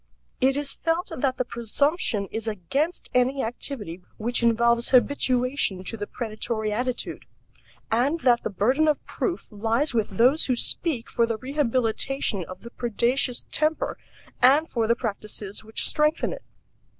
It is felt that the presumption is against any activity which involves habituation to the predatory attitude, and that the burden of proof lies with those who speak for the rehabilitation of the predaceous temper and for the practices which strengthen it.